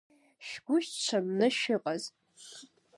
Шәгәы шәҽанны шәыҟаз!